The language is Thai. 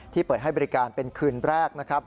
เปิดให้บริการเป็นคืนแรกนะครับ